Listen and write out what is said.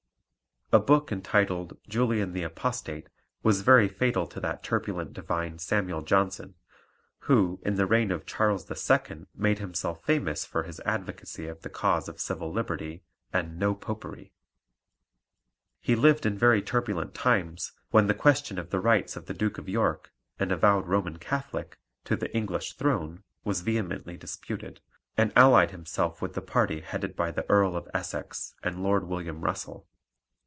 A book entitled Julian the Apostate was very fatal to that turbulent divine Samuel Johnson, who in the reign of Charles II. made himself famous for his advocacy of the cause of civil liberty and "no popery." He lived in very turbulent times, when the question of the rights of the Duke of York, an avowed Roman Catholic, to the English throne was vehemently disputed, and allied himself with the party headed by the Earl of Essex and Lord William Russell.